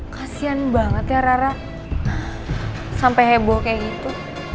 kasian banget ya rara sampai heboh kayak gitu